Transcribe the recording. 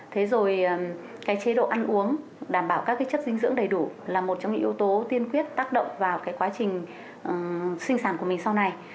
thế rồi cái chế độ ăn uống đảm bảo các cái chất dinh dưỡng đầy đủ là một trong những yếu tố tiên quyết tác động vào cái quá trình sinh sản của mình sau này